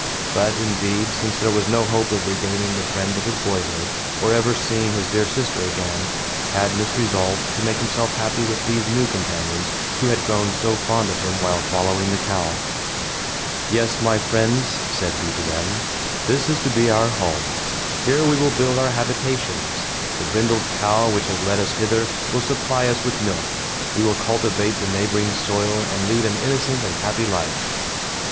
But, indeed, since there was no hope of regaining the friends of his boyhood, or ever seeing his dear sister again, Cadmus resolved to make himself happy with these new companions, who had grown so fond of him while following the cow. "Yes, my friends," said he to them, "this is to be our home. Here we will build our habitations. The brindled cow, which has led us hither, will supply us with milk. We will cultivate the neighboring soil and lead an innocent and happy life."